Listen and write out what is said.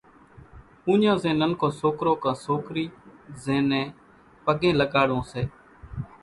اُوڃان زين ننڪو سوڪرو ڪان سوڪري زين نين پڳين لڳاڙوون سي۔